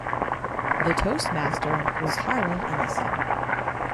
The Toastmaster was Harlan Ellison.